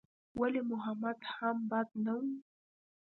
ولي محمد هم بد نه و.